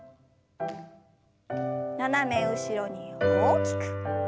斜め後ろに大きく。